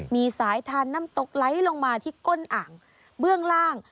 มีสายทานน้ำตกไหลลงมาที่ก้นอ่างเบื้องล่าง